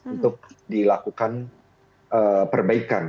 untuk dilakukan perbaikan